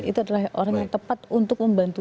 itu adalah orang yang tepat untuk membantu